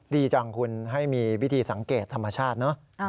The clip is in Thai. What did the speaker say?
ดีจังคุณให้มีวิธีสังเกตธรรมชาติเนอะ